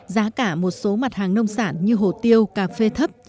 giá cả một số mặt hàng nông sản như hồ tiêu cà phê thấp